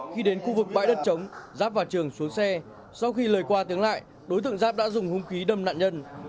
khi đến khu vực bãi đất trống giáp và trường xuống xe sau khi lời qua tiếng lại đối tượng giáp đã dùng húng khí đâm nạn nhân